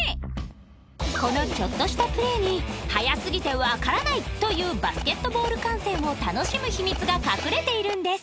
このちょっとしたプレーに速すぎてわからない！というバスケットボール観戦を楽しむ秘密が隠れているんです